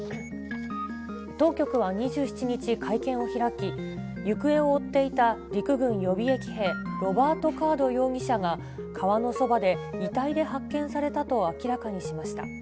当局は２７日、会見を開き、行方を追っていた陸軍予備役兵、ロバート・カード容疑者が川のそばで遺体で発見されたと明らかにしました。